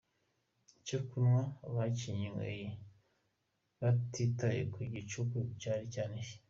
Icyo kunywa bakinyweye batitaye ku gicuku cyari cyanishye.